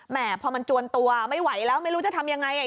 พอมันจวนตัวไม่ไหวแล้วไม่รู้จะทำยังไง